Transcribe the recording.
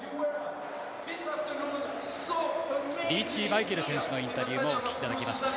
リーチマイケル選手のインタビューもお聞きいただきました。